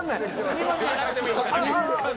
２文字じゃなくてもいいから。